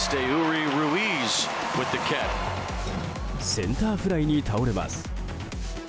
センターフライに倒れます。